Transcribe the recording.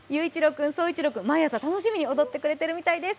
君、そういちろう君毎朝楽しみに踊ってくれているみたいです。